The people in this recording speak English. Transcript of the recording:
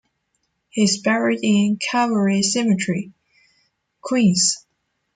He is buried in Calvary Cemetery, Queens.